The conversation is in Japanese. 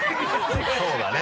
そうだね。